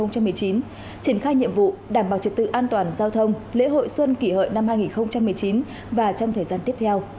triển khai nhiệm vụ đảm bảo trật tự an toàn giao thông lễ hội xuân kỷ hợi năm hai nghìn một mươi chín và trong thời gian tiếp theo